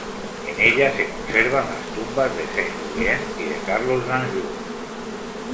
En ella se conservan las tumbas de Saint-Julien y de Carlos d’Anjou.